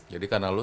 jadi karena lu